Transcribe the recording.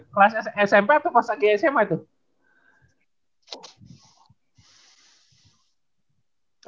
kelas smp atau pas lagi sma itu